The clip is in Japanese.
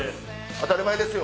当たり前ですよ。